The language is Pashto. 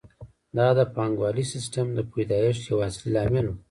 دا د پانګوالي سیسټم د پیدایښت یو اصلي لامل وو